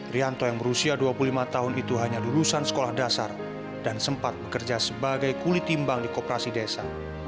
rianto yang berusia dua puluh lima tahun itu hanya lulusan sekolah dasar dan sempat bekerja sebagai kulit timbang di koperasi desa